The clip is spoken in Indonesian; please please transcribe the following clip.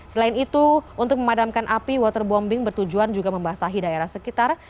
selain itu untuk memadamkan api waterbombing bertujuan juga membasahi daerah sekitar